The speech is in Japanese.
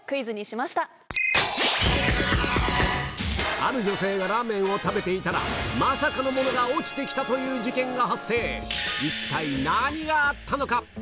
ある女性がラーメンを食べていたらまさかの物が落ちて来たという事件が発生一体何があったのか？